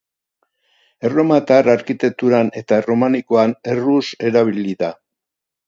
Erromatar arkitekturan eta erromanikoan erruz erabili da.